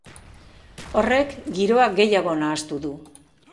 Horrek giroa gehiago nahastu du.